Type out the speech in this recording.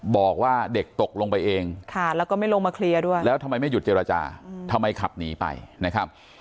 บอกว่าเด็กตกลงไปเองค่ะแล้วก็ไม่ลงมาเคลียร์ด้วยแล้วทำไมไม่หยุดเจรจาทำไมขับหนีไปนะครับ